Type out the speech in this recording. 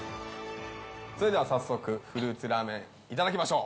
それでは早速フルーツラーメンいただきましょう！